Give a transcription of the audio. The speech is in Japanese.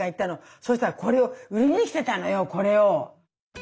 そしたらこれを売りに来てたのよこれを。